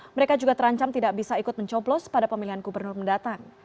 mereka juga terancam tidak bisa ikut mencoblos pada pemilihan gubernur mendatang